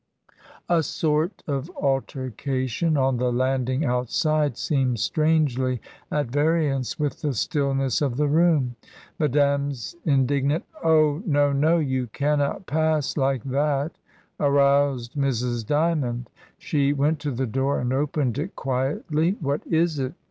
A sort of altercation on the landing outside seemed strangely at variance with the stillness of the room. Madame's indignant "Oh! no, no, you cannot pass like that," aroused Mrs. Dymond. She went to the door and opened it quietly. "What is it?"